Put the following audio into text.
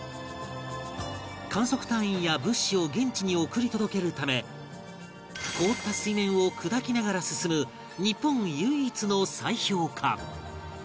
観測隊員や物資を現地に送り届けるため凍った水面を砕きながら進む日本唯一の砕氷艦